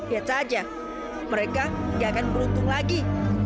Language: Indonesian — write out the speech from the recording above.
lihat saja mereka nggak akan beruntung lagi